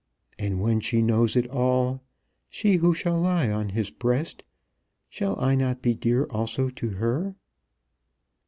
And when she knows it all, she who shall lie on his breast, shall I not be dear also to her?"